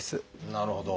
なるほど。